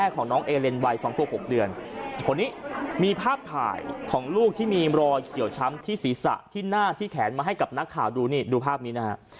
คนนี้มีภาพถ่ายของลูกที่มีลอยเกี่ยวช้ำที่ศีรษะที่หน้าที่แขนมาให้กับนักข่าวดูภาพนี้นะครับ